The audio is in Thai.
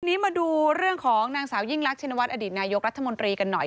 ทีนี้มาดูเรื่องของนางสาวยิ่งรักชินวัฒนอดีตนายกรัฐมนตรีกันหน่อย